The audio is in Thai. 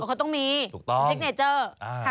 เขาต้องมีสิกเนเจอร์